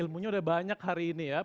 ilmunya udah banyak hari ini ya